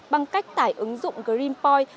bằng cách tải ứng dụng greenpoint